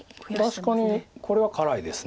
確かにこれは辛いです。